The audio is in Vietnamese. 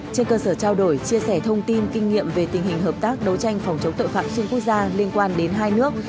trên cơ sở trao đổi chia sẻ thông tin kinh nghiệm về tình hình hợp tác đấu tranh phòng chống tội phạm xuyên quốc gia liên quan đến hai nước